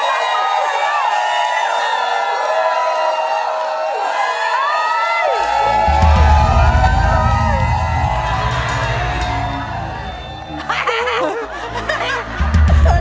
กลัวเด็กหรือว่ากลัวผมครับ